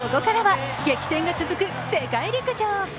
ここからは激戦が続く世界陸上。